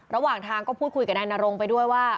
ระหว่างทางก็พูดคุยกับนายนรงไปด้วยว่า